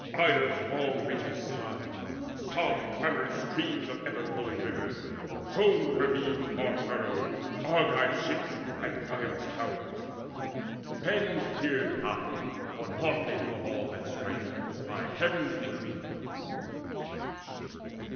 Ida's long ridges sighed, sobbed clamorous streams Of ever flowing rivers, groaned ravines Far furrowed, Argive ships, and Priam's towers. Yet men feared not, for naught they knew of all That strife, by Heaven's decree.